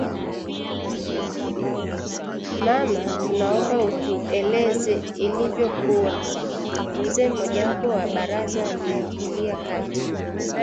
“Mama, tunaomba utueleze ilivyokuwa,” mzee mmojawapo wa baraza aliingilia kati